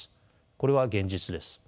これは現実です。